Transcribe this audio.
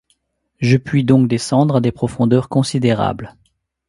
Je puis donc descendre à des profondeurs considérables.